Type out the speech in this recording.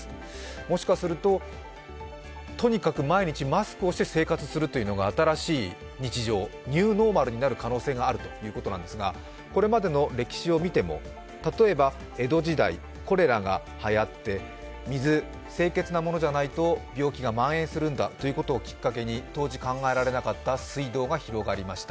もしかするととにかく毎日マスクをして生活するというのが新しい日常、ニューノーマルになる可能性があるということなんですがこれまでの歴史を見ても例えば江戸時代、コレラがはやって水、清潔なものじゃないと病気がまん延するんだということをきっかけに当時考えられなかった水道が広まりました。